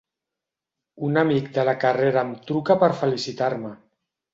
Un amic de la carrera em truca per felicitar-me.